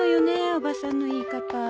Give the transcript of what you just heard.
おばさんの言い方。